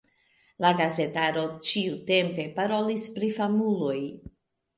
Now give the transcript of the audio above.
La gazetaro ĉiutempe parolis pri famuloj.